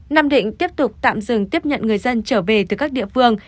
nam định tiếp tục tạm dừng tiếp nhận người dân trở về từ các địa phương